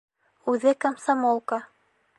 Үҙе комсомолка.